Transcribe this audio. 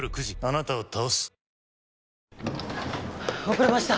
遅れました。